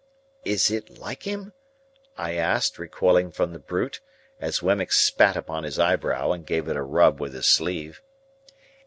"Is it like him?" I asked, recoiling from the brute, as Wemmick spat upon his eyebrow and gave it a rub with his sleeve.